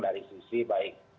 dari sisi baik